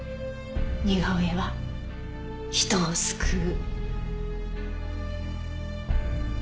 似顔絵は人を救う。